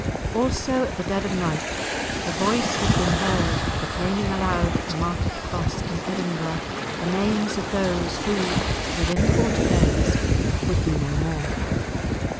Also at the dead of night a voice had been heard proclaiming aloud at the market Cross in Edinburgh the names of those who, within forty days, would be no more.